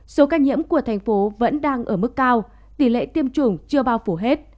số ca nhiễm của thành phố vẫn đang ở mức cao tỷ lệ tiêm chủng chưa bao phủ hết